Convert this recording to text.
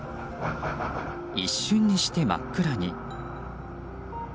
一瞬にして真っ暗に。